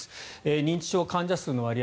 認知症患者数の割合